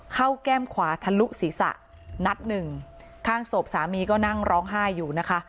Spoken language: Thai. แก้มขวาทะลุศีรษะนัดหนึ่งข้างศพสามีก็นั่งร้องไห้อยู่นะคะ